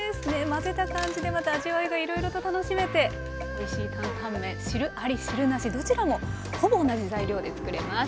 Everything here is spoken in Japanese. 混ぜた感じでまた味わいがいろいろと楽しめておいしい担々麺汁あり汁なしどちらもほぼ同じ材料で作れます。